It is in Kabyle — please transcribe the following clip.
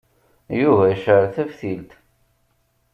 Yuba yecɛel taftilt.